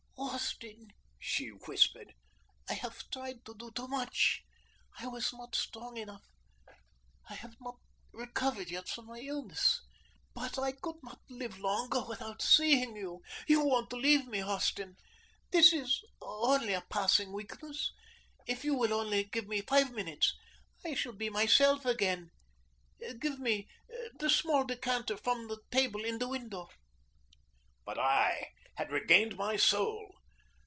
"Austin," she whispered, "I have tried to do too much. I was not strong enough. I have not recovered yet from my illness. But I could not live longer without seeing you. You won't leave me, Austin? This is only a passing weakness. If you will only give me five minutes, I shall be myself again. Give me the small decanter from the table in the window." But I had regained my soul.